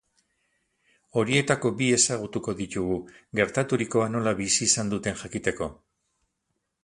Horietako bi ezagutuko ditugu, gertaturikoa nola bizi izan duten jakiteko.